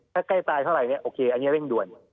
ถ้าใกล้ตายเท่าไหร่เนี่ยโอเคอันนี้เร่งด่วน